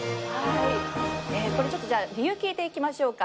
ちょっとじゃあ、理由聞いていきましょうか。